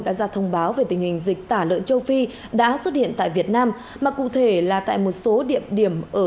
đã ra thông báo về tình hình dịch tả lượng châu phi đã xuất hiện tại việt nam mà cụ thể là tại một số điểm điểm ở hai tỉnh hưng yên và hà nội